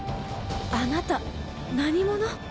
あなた何者？